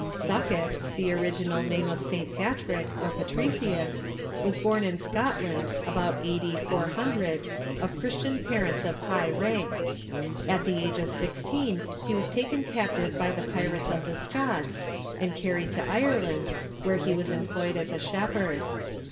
Succat, the original name of St. Patrick, or Patricius, was born in Scotland, about a.d. 400, of Christian parents of high rank. At the age of sixteen he was taken cap tive by the pirates of the Scots, and carried to Ireland, where he was employed as a shepherd.